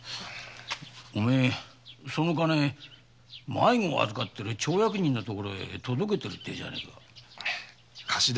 お前その金迷子を預かってる町役人のところへ届けてるっていうじゃねえか。